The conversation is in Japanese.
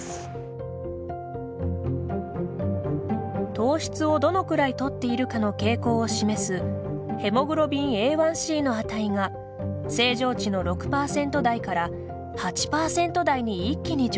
糖質をどのくらいとっているかの傾向を示すヘモグロビンＡ１ｃの値が正常値の６パーセント台から８パーセント台に一気に上昇。